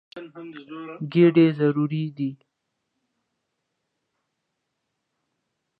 ګېډې ضروري دي.